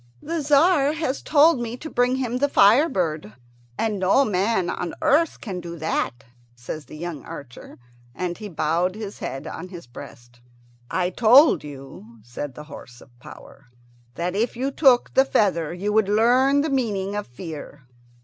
"The Tzar has told me to bring him the fire bird, and no man on earth can do that," says the young archer, and he bowed his head on his breast. "I told you," says the horse of power, "that if you took the feather you would learn the meaning of fear.